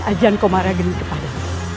ajian komaragen kepada